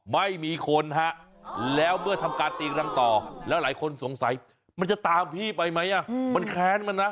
ไม่มีคนฮะแล้วเมื่อทำการตีรังต่อแล้วหลายคนสงสัยมันจะตามพี่ไปไหมมันแค้นมันนะ